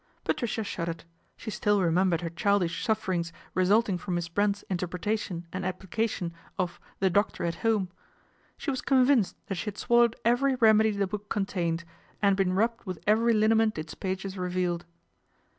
Patricia shuddered. She still remembered her childish sufferings resulting from Miss Brent's interpretation and application of The Doctor at Home. She was convinced that she had swallowed every remedy the book contained, and been rubbed with every linament its pages revealed.